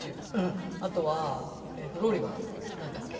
あとはローリーはなんだっけ？